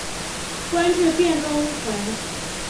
官至殿中丞。